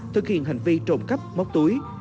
thực hiện hành vi trộm cắp móc túi